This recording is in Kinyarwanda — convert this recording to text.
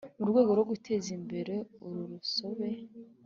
Mu rwego rwo guteza imbere uru urusobe.